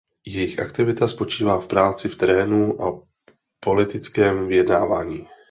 Jejich aktivita spočívá v práci v terénu a v politickém vyjednávání.